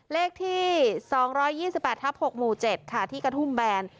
เลขที่สองร้อยยี่สิบแปดทับหกหมู่เจ็ดค่ะที่กระทุ่มแบน